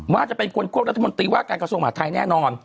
ว่าจะเป็นคนควบรัฐมนตรีว่าการกระทรวงมหาดไทยแน่นอน